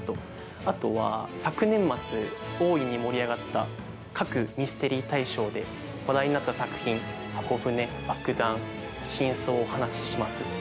あとは、昨年末大いに盛り上がった各ミステリー大賞で話題になった作品「方舟」、「爆弾」「＃真相をお話しします」。